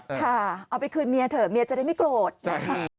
ค่ะเอาไปคืนเมียเถอะเมียจะได้ไม่โกรธนะคะ